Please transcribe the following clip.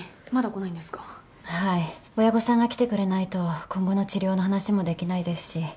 親御さんが来てくれないと今後の治療の話もできないですし。